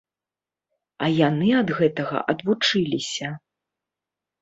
А яны ад гэтага адвучыліся.